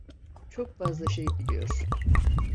Çok fazla şey biliyor.